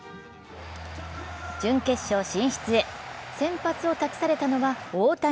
準決勝進出へ、先発を託されたのは大谷。